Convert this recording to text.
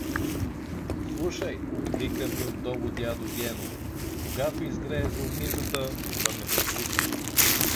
Слушай! — вика ми отдолу дядо Гено, — когато изгрее Зорницата, да ме събудиш.